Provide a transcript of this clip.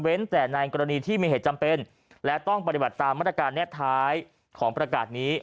แต่ในกรณีที่มีเหตุจำเป็นและต้องปฏิบัติตามมาตรการแนบท้ายของประกาศนี้